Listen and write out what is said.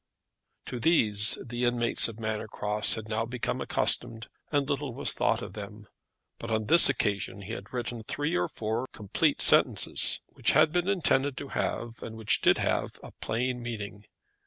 To these the inmates of Manor Cross had now become accustomed, and little was thought of them; but on this occasion he had written three or four complete sentences, which had been intended to have, and which did have, a plain meaning.